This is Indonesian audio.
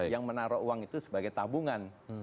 yang menaruh uang itu sebagai tabungan